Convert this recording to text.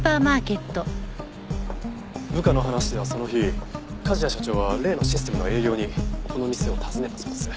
部下の話ではその日梶谷社長は例のシステムの営業にこの店を訪ねたそうです。